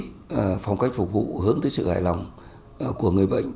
chúng ta phải đổi mới phong cách phục vụ hướng tới sự hài lòng của người bệnh